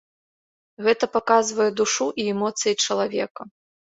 Гэта паказвае душу і эмоцыі чалавека.